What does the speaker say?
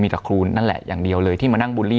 มีแต่ครูนั่นแหละอย่างเดียวเลยที่มานั่งบูลลี่